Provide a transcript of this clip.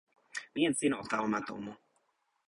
mi en sina o tawa ma tomo.